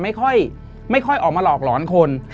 เป็นประวัติเรื่องเล่าของผีกระสือส่วนมากจะไม่ค่อยออกมาหลอนคน